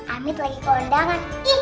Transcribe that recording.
amit lagi ke undangan